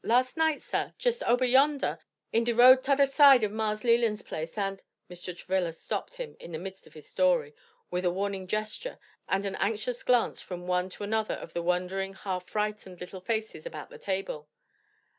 Las' night, sah, jes ober yondah in de road todder side o' Mars Leland's place, and " Mr. Travilla stopped him in the midst of his story, with a warning gesture and an anxious glance from one to another of the wondering, half frightened little faces about the table.